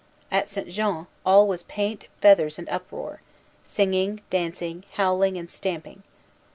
At St. Jean all was paint, feathers, and uproar, singing, dancing, howling, and stamping.